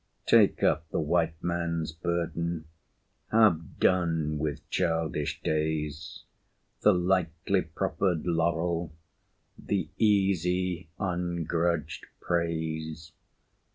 Take up the White Man's burden Have done with childish days The lightly proffered laurel The easy, ungrudged praise.